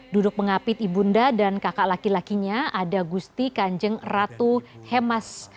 duduk mengapit ibunda dan kakak laki lakinya ada gusti kanjeng ratu hemas